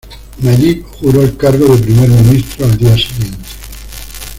Najib juró el cargo de primer ministro al día siguiente.